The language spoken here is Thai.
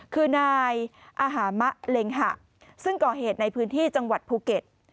คือนายอาหามะเล็งหะซึ่งก่อเหตุในพื้นที่จังหวัดภูเก็ต